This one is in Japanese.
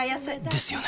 ですよね